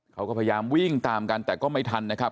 เขาก็พยายามวิ่งตามกันแต่ก็ไม่ทันนะครับ